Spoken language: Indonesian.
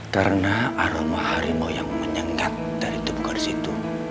karena aroma harimau yang menyengat dari tubuh gadis itu